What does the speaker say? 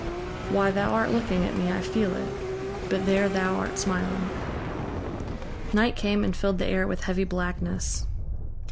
Why, thou art looking at me, I feel it, but there thou art smiling." Night came, and filled the air with heavy blackness.